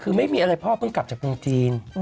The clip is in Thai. คือไม่มีอะไรพ่อเพิ่งกลับจากเมืองจีน